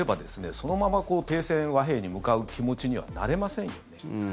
そのまま停戦、和平に向かう気持ちにはなれませんよね。